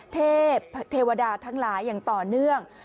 เทพเทวดาทั้งหลายอย่างต่อเนื่อง